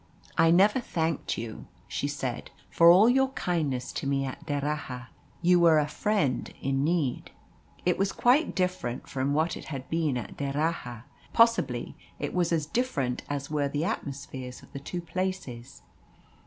"I never thanked you," she said, "for all your kindness to me at D'Erraha. You were a friend in need." It was quite different from what it had been at D'Erraha. Possibly it was as different as were the atmospheres of the two places.